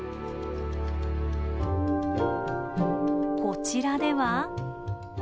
こちらでは。